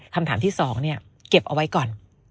คำถามที่๒เก็บเอาไว้ก่อน